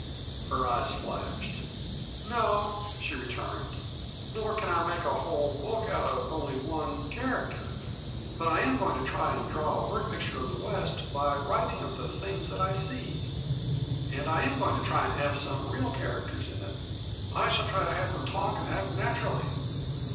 Her eyes flashed. "No," she returned. "Nor can I make a whole book out of only one character. But I am going to try and draw a word picture of the West by writing of the things that I see. And I am going to try and have some real characters in it. I shall try to have them talk and act naturally."